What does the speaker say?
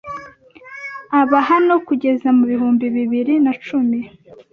aba hano kugeza mu bihumbi bibiri nacumi